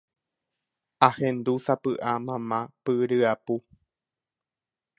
Ahendu sapy'a mamá py ryapu